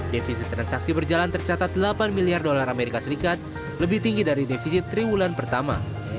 defisit transaksi berjalan tercatat delapan miliar dolar as lebih tinggi dari defisit triwulan pertama